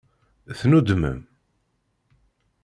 Tennudmem?